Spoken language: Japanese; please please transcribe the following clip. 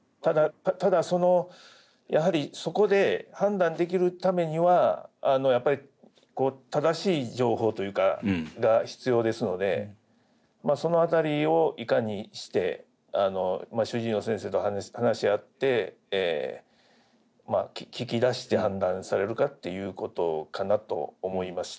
ただそのやはりそこで判断できるためにはやっぱり正しい情報が必要ですのでその辺りをいかにして主治医の先生と話し合って聞き出して判断されるかっていうことかなと思いました。